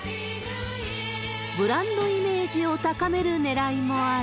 ブランドイメージを高めるねらいもある。